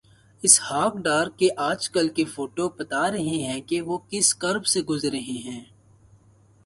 اسحاق ڈار کے آج کل کے فوٹوبتا رہے ہیں کہ وہ کس کرب سے گزر رہے ہیں۔